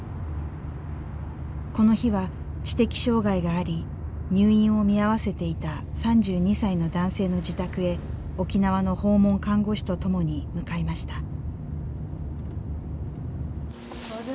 この日は知的障害があり入院を見合わせていた３２歳の男性の自宅へ沖縄の訪問看護師と共に向かいました。